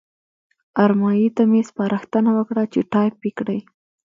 ارمایي ته مې سپارښتنه وکړه چې ټایپ یې کړي.